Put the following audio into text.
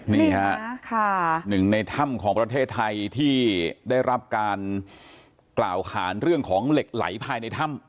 นี่ฮะหนึ่งในถ้ำของประเทศไทยที่ได้รับการกล่าวขานเรื่องของเหล็กไหลภายในถ้ำ